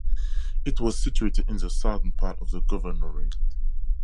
It was situated in the southern part of the governorate.